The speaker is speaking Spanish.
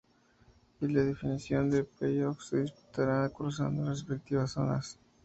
Y la definición por Play Off se disputará cruzando las respectivas zonas.